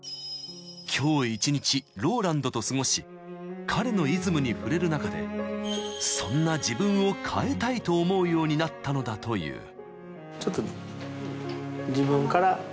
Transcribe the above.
［今日一日ＲＯＬＡＮＤと過ごし彼のイズムに触れる中でそんな自分を変えたいと思うようになったのだという］